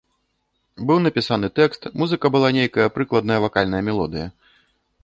Быў напісаны тэкст, музыка, была нейкая прыкладная вакальная мелодыя.